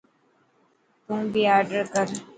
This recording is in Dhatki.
تون بي آڊر ڪر.